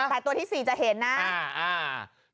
แต่ตัวที่๔จะเห็นนะอ่าอ่า